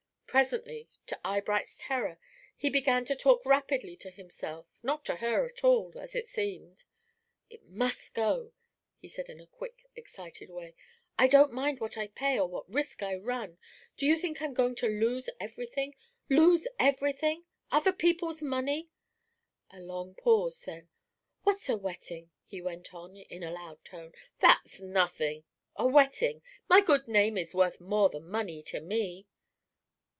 Presently, to Eyebright's terror, he began to talk rapidly to himself, not to her at all, as it seemed. "It must go," he said, in a quick, excited way. "I don't mind what I pay or what risk I run. Do you think I'm going to lose every thing? lose every thing? other people's money? " A long pause; then, "What's a wetting?" he went on, in a loud tone "that's nothing. A wetting! my good name is worth more than money to me."